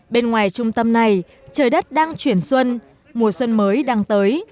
bên ngoài trung tâm này trời đất đang chuyển xuân mùa xuân mới đang tới